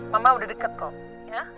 mama udah deket kok